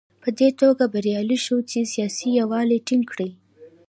په دې توګه بریالی شو چې سیاسي یووالی ټینګ کړي.